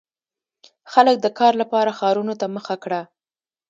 • خلک د کار لپاره ښارونو ته مخه کړه.